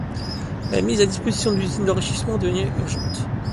La mise à disposition de l'usine d'enrichissement devient urgente.